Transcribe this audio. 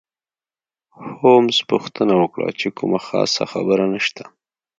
هولمز پوښتنه وکړه چې کومه خاصه خبره شته.